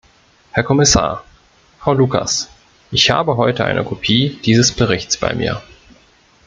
Herr Kommissar, Frau Lucas, ich habe heute eine Kopie dieses Berichts bei mir.